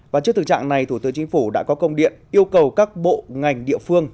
và trước thực trạng này thủ tướng chính phủ đã có công điện yêu cầu các bộ ngành địa phương